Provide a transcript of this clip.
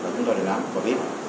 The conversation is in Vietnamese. chúng tôi để làm và biết